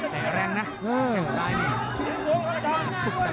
เตะแรงนะแข่งซ้ายนี้